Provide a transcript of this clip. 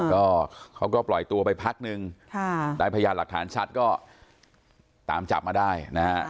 ก็เขาก็ปล่อยตัวไปพักนึงได้พยานหลักฐานชัดก็ตามจับมาได้นะฮะ